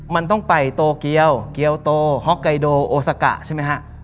มันต้องไปโตเกียวเกี้วโตฮอกไกโดโอซากะ